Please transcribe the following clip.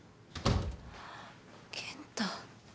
・健太。